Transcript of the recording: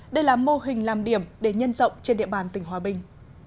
đây là mô hình làm điểm để nhân rộng trên địa bàn tỉnh hòa bình